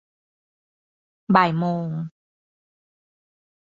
บ่ายโมง